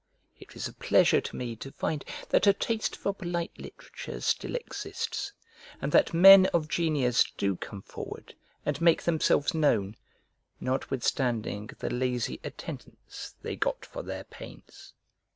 It is a pleasure to me to find that a taste for polite literature still exists, and that men of genius do come forward and make themselves known, notwithstanding the lazy attendance they got for their pains.